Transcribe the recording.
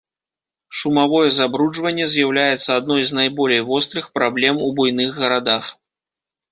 Шумавое забруджванне з'яўляецца адной з найболей вострых праблем у буйных гарадах.